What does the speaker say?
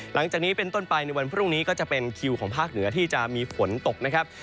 หลังจากนี้เป็นต้นไปในวันพรุ่งนี้ก็จะเป็นคิวของภาคเหนือที่จะมีฝนตกนะครับ